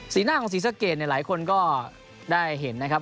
หน้าของศรีสะเกดเนี่ยหลายคนก็ได้เห็นนะครับ